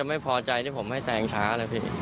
แล้วผมให้แสงช้าเลยพี่